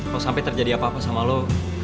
kalo sampe terjadi apa apa sama lo